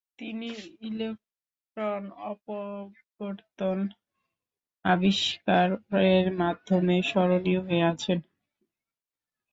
তিনি ইলেকট্রন অপবর্তন আবিষ্কারের মাধ্যমে স্মরণীয় হয়ে আছেন।